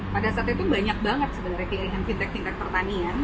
pada saat itu banyak sekali pilihan fintech fintech pertanian